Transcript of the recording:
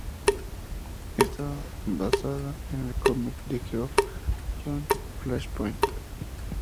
Está basada en el cómic de Geoff Johns "Flashpoint".